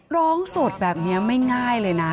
ร้องสดแบบนี้ไม่ง่ายเลยนะ